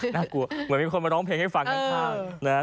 เหมือนมีคนมาร้องเพลงให้ฟังข้าง